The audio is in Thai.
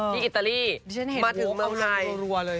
ที่อิตาลีมาถึงเมืองไทยดิฉันเห็นหัวของมันรัวเลย